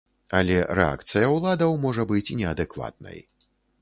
Але рэакцыя ўладаў можа быць неадэкватнай.